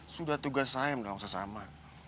sudah tugas saya emang sama